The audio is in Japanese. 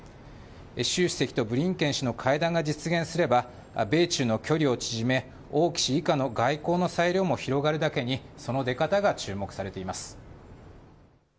習主席とブリンケン氏の会談が実現すれば、米中の距離を縮め、王毅氏以下の外交の裁量も広がるだけに、その出方が注目されています。